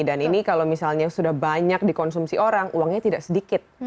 dan ini kalau misalnya sudah banyak dikonsumsi orang uangnya tidak sedikit